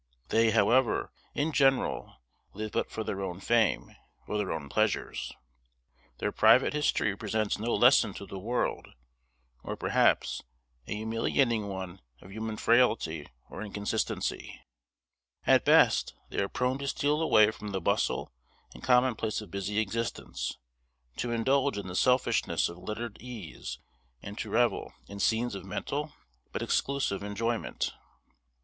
They, however, in general, live but for their own fame, or their own pleasures. Their private history presents no lesson to the world, or, perhaps, a humiliating one of human frailty or inconsistency. At best, they are prone to steal away from the bustle and commonplace of busy existence; to indulge in the selfishness of lettered eas; and to revel in scenes of mental, but exclusive enjoyment.